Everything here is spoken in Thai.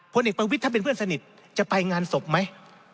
พลเอกประวิทย์ถ้าเป็นเพื่อนสนิทจะไปงานศพไหม